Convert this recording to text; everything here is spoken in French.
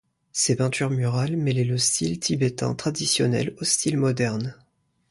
Ses peintures murales mêlaient le style tibétain traditionnel au style moderne.